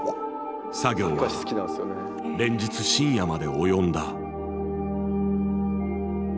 作業は連日深夜まで及んだ。